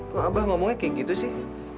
kok abah ngomongnya kayak gitu sih